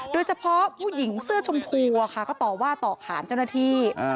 โดยเฉพาะผู้หญิงเสื้อชมพูก็ต่อว่าต่อขานเจ้าหน้าที่